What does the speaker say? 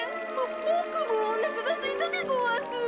ボボクもおなかがすいたでごわす。